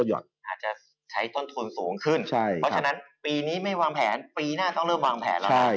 อาจจะใช้ต้นทุนสูงขึ้นเพราะฉะนั้นปีนี้ไม่วางแผนปีหน้าต้องเริ่มวางแผนแล้วนะ